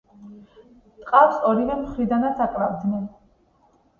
ტყავს ორივე მხრიდანაც აკრავდნენ.